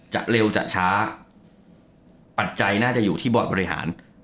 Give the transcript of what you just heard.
จะเร็วจะช้าปัจจัยน่าจะอยู่ที่บอร์ดบริหาร